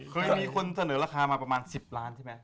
เคยมีคนเสนอราคามาประมาณ๑๐ล้านใช่ไหม